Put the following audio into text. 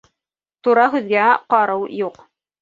Тура һүҙгә ҡарыу юҡ.